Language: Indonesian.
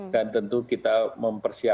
dan tentu kita memperkenalkan